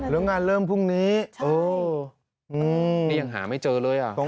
แล้วงานเริ่มพรุ่งนี้นี่ยังหาไม่เจอเลยอ่ะ